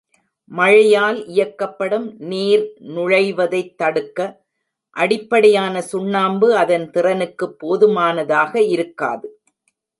மழையால் இயக்கப்படும் நீர் நுழைவதைத் தடுக்க அடிப்படையான சுண்ணாம்பு அதன் திறனுக்கு போதுமானதாக இருக்காது